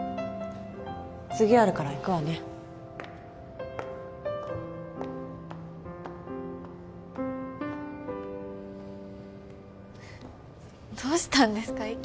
次あるから行くわねどうしたんですか？